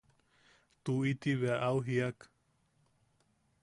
–Tuʼi– ti bea au jiak.